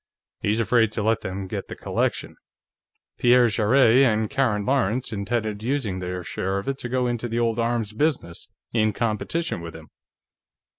He's afraid to let them get the collection; Pierre Jarrett and Karen Lawrence intended using their share of it to go into the old arms business, in competition with him."